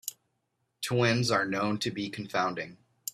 Twins are known to be confounding.